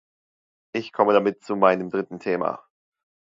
Ich komme damit zu meinem dritten Thema.